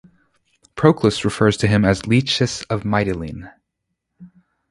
Proclus refers to him as "Lesches of Mytilene".